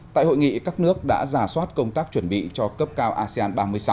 tại hội nghị các nước đã giả soát công tác chuẩn bị cho cấp cao asean ba mươi sáu